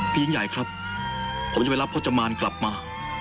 ยิ่งใหญ่ครับผมจะไปรับพจมานกลับมา